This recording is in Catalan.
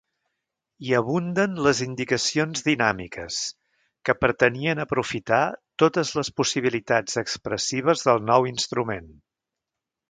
Hi abunden les indicacions dinàmiques, que pretenien aprofitar totes les possibilitats expressives del nou instrument.